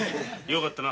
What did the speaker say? よかった。